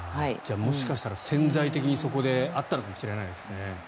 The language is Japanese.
もしかしたら潜在的に、そこであったのかもしれないですね。